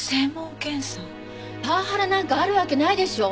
パワハラなんかあるわけないでしょ？